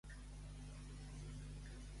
Ser un mac.